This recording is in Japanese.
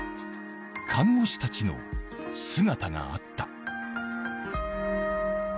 看護師たちの姿があった。